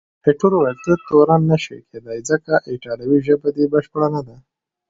ایټور وویل، ته تورن نه شې کېدای، ځکه ایټالوي ژبه دې بشپړه نه ده.